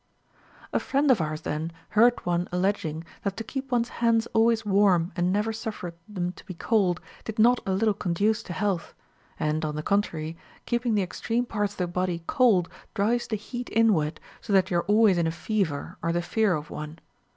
2. Zeuxippus. A friend of ours then heard one alleging that to keep one's hands always warm and never suffer them to be cold did not a little conduce to health ; and, on the contrary, keeping the extreme parts of the body cold drives the heat inward, so that you are always in a fever or the fear of one.